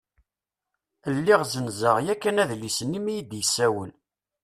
Lliɣ zzenzeɣ yakan adlis-nni mi yi-d-yessawel.